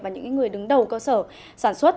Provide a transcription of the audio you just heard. và những người đứng đầu cơ sở sản xuất